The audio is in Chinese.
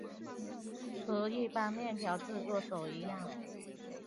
和一般面条制作手一样。